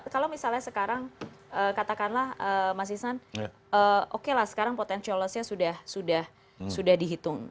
kalau misalnya sekarang katakanlah mas isan oke lah sekarang potensiolosnya sudah dihitung